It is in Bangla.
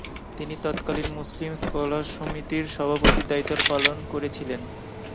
তিনি তৎকালীন মুসলিম স্কলার সমিতির সভাপতির দায়িত্ব পালন করেছিলেন।